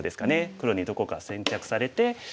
黒にどこか先着されて。